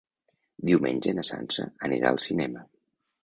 Diumenge na Sança anirà al cinema.